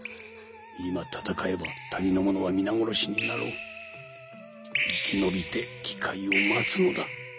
今戦えば谷の者は皆殺しになろう生き延びて機会を待つのだ